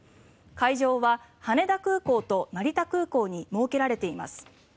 会場は羽田空港と成田空港に設けられています。